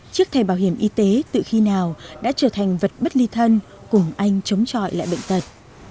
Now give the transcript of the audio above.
chiếc thẻ bảo hiểm y tế từ khi nào đã trở thành vật bất ly thân cùng anh chống chọi lại bệnh tật